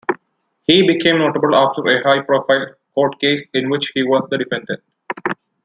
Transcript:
He became notable after a high-profile court case in which he was the defendant.